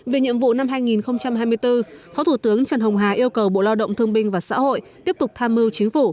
về nhiệm vụ năm hai nghìn hai mươi bốn phó thủ tướng trần hồng hà yêu cầu bộ lao động thương binh và xã hội tiếp tục tham mưu chính phủ